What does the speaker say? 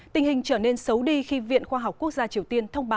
tình hình trở nên xấu đi khi viện khoa học quốc gia triều tiên